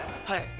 はい。